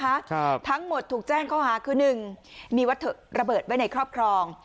ครับทั้งหมดถูกแจ้งข้อหาคือหนึ่งมีวัตถุระเบิดไว้ในครอบครอง